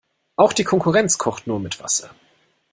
Auch die Konkurrenz kocht nur mit Wasser.